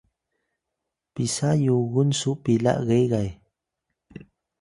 pisa yugun su pila gegay?